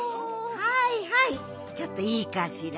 はいはいちょっといいかしら。